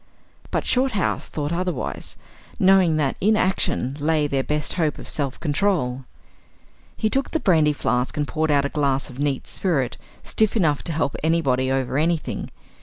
But Shorthouse thought otherwise, knowing that in action lay their best hope of self control. He took the brandy flask and poured out a glass of neat spirit, stiff enough to help anybody over anything.